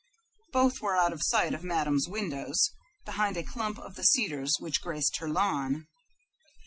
Both were out of sight of Madame's windows, behind a clump of the cedars which graced her lawn.